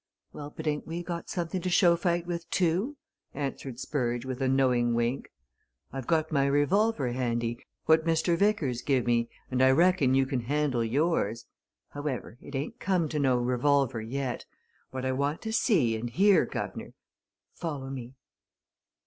"Well, but ain't we got something to show fight with, too?" answered Spurge, with a knowing wink. "I've got my revolver handy, what Mr. Vickers give me, and I reckon you can handle yours. However, it ain't come to no revolver yet. What I want is to see and hear, guv'nor follow me."